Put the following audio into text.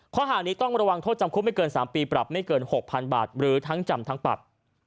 ข้อหานี้ต้องระวังโทษจำคุกไม่เกิน๓ปีปรับไม่เกิน๖๐๐๐บาทหรือทั้งจำทั้งปรับ